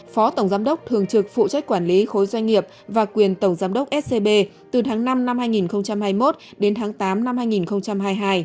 phó tổng giám đốc thường trực phụ trách quản lý khối doanh nghiệp và quyền tổng giám đốc scb từ tháng năm năm hai nghìn hai mươi một đến tháng tám năm hai nghìn hai mươi hai